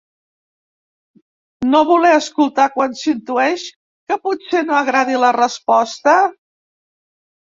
No voler escoltar quan s’intueix que potser no agradi la resposta?.